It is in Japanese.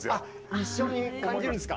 一緒に感じるんすか。